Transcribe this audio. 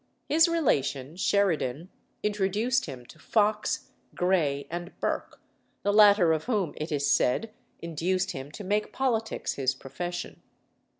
His relation, Sheridan, introduced him to Fox, Grey, and Burke, the latter of whom, it is said, induced him to make politics his profession.